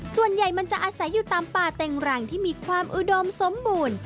ส่วนใหญ่มันจะอาศัยอยู่ตามป่าเต็งรังที่มีความอุดมสมบูรณ์